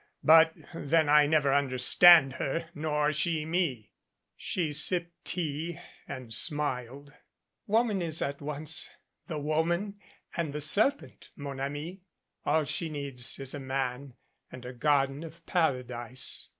But then I never understand her nor she me." She sipped tea and smiled. "Woman is at once the woman and the serpent, mon ami. All she needs is a man and a Garden of Para dise."